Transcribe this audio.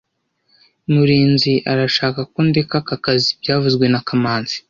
Murinzi arashaka ko ndeka aka kazi byavuzwe na kamanzi